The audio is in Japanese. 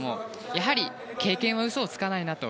やはり経験は嘘をつかないなと。